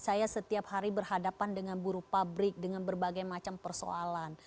saya setiap hari berhadapan dengan buruh pabrik dengan berbagai macam persoalan